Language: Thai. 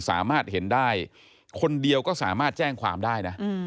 สามารถเห็นได้คนเดียวก็สามารถแจ้งความได้นะ